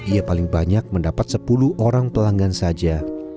ia paling banyak mendapat sepuluh orang pelanggan saja